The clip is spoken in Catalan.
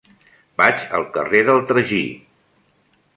Vaig al carrer del Tragí.